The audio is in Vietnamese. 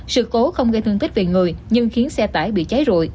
sự cố không gây thương tích về người nhưng khiến xe tải bị cháy rụi